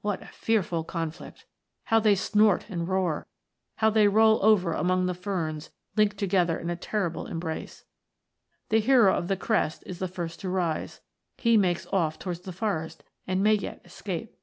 What a fearful conflict ! How they snort and roar ! Now they roll over among the ferns, linked together in a terrible embrace. The hero of the crest is the first to rise he makes off towards the forest, and may yet escape.